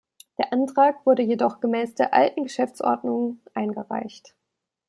Der Antrag wurde jedoch gemäß der alten Geschäftsordnung eingereicht.